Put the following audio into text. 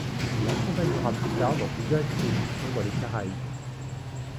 Il l’accompagnera plus tard dans plusieurs expéditions dans les Caraïbes.